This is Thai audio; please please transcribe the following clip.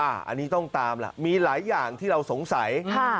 อันนี้ต้องตามล่ะมีหลายอย่างที่เราสงสัย